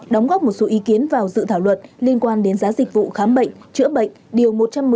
đóng góp một số ý kiến vào dự thảo luật liên quan đến giá dịch vụ khám bệnh chữa bệnh điều một trăm một mươi